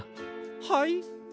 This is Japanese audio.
はい？